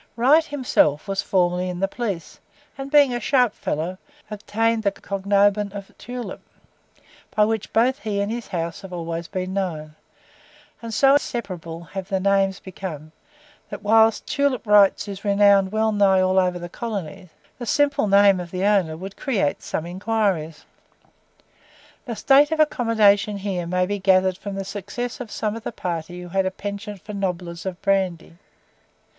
Wright himself was formerly in the police, and being a sharp fellow, obtained the cognomen of "Tulip," by which both he and his house have always been known; and so inseparable have the names become, that, whilst "Tulip Wright's" is renowned well nigh all over the colonies, the simple name of the owner would create some inquiries. The state of accommodation here may be gathered from the success of some of the party who had a PENCHANT for "nobblers" of brandy.